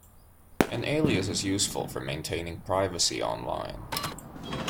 An alias is useful for maintaining privacy online.